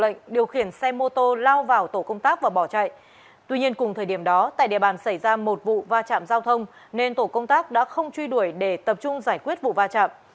tuy nhiên cùng thời điểm đó tại địa bàn xảy ra một vụ va chạm giao thông nên tổ công tác đã không truy đuổi để tập trung giải quyết vụ va chạm